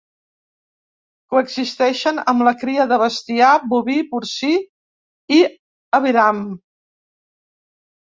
Coexisteixen amb la cria de bestiar, boví, porcí i aviram.